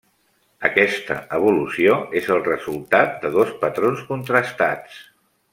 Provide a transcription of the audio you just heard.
Aquesta evolució és el resultat de dos patrons contrastats.